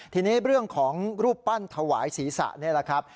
ทีนี้เรื่องของรูปปั้นถวายศีรษะนี่แหละครับ